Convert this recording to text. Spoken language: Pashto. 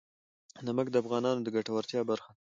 نمک د افغانانو د ګټورتیا برخه ده.